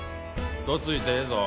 どついてええぞ。